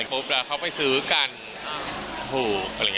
พูดออกไปซื้อการถูก